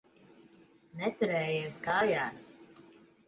Neturējies kājās.